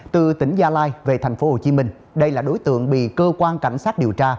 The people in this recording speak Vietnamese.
từ tỉnh gia lai về tp hcm đây là đối tượng bị cơ quan cảnh sát điều tra